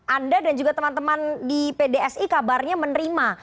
anda dan juga teman teman di pdsi kabarnya menerima